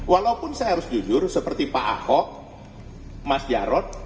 walaupun saya harus jujur seperti pak ahok mas jarod